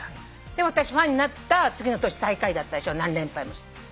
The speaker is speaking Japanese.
私ファンになった次の年最下位だったでしょ何連敗もして。